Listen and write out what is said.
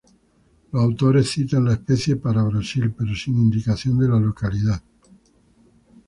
Los autores citan la especie para Brasil, pero sin indicación de la localidad.